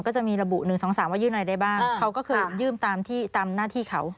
ก็จะมีระบุหนึ่งสองสามว่ายื่นอะไรได้บ้างเขาก็คือยื่นตามหน้าที่เขา